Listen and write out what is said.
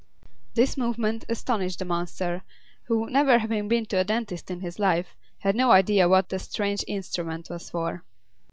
This movement astonished the monster, who, never having been to a dentist in his life, had no idea what the strange instrument was for.